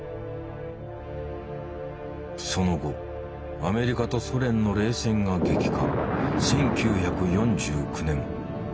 その後アメリカとソ連の冷戦が激化。